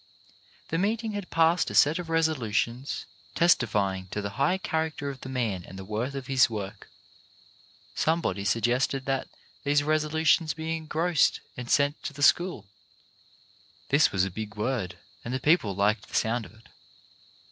The meeting had passed a set of resolutions testifying to the high character of the man and 244 CHARACTER BUILDING the worth of his work. Somebody suggested that these resolutions be engrossed and sent to the school. This was a big word, and the people liked the sound of it.